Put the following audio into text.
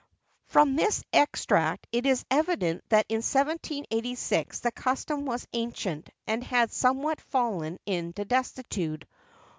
From this extract it is evident that in 1786 the custom was ancient, and had somewhat fallen into desuetude.